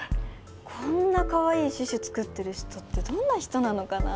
こんなかわいいシュシュ作ってる人ってどんな人なのかな？